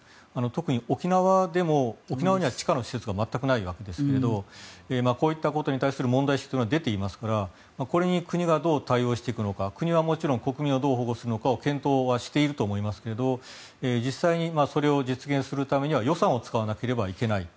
特に沖縄には地下の施設が全くないわけですがこういったことに対する問題視というのは出ていますからこれに国がどう対応していくのか国はもちろん国民をどう保護するか検討はしていると思いますが実際にそれを実現するためには予算を使わなければいけない。